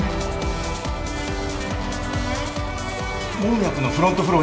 門脈のフロントフロー